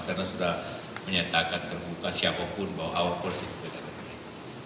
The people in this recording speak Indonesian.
karena sudah menyatakan terbuka siapapun bahwa hawa pers itu tidak tergantung